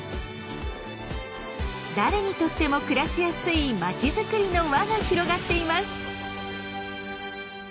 誰にとっても暮らしやすい町づくりの輪が広がっています。